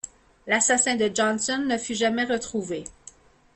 L'assassin de Johnson ne fut jamais retrouvé.